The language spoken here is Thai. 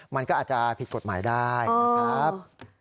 มันก็อาจจะผิดกฎหมายได้นะครับ